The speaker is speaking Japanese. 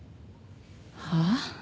はあ？